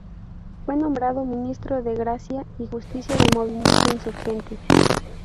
Fue nombrado ministro de Gracia y Justicia del movimiento insurgente.